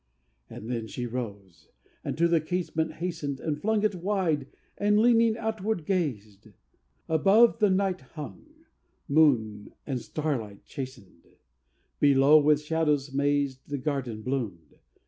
And then she rose, and to the casement hastened, And flung it wide and, leaning outward, gazed: Above, the night hung, moon and starlight chastened; Below, with shadows mazed, The garden bloomed.